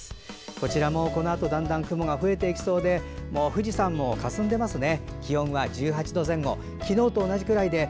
こちらも、このあとだんだん雲が増えていきそうでもう富士山もかすんでいますね。